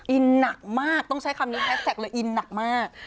หนักมากต้องใช้คำนี้แฮสแท็กเลยอินหนักมาก